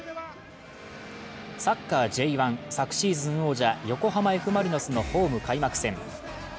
サッカーＪ１、昨シーズン王者横浜Ｆ・マリノスのホーム開幕戦。